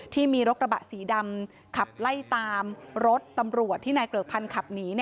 ที่มีรถกระบะสีดำขับไล่ตามรถตำรวจที่นายเกริกพันธ์ขับหนี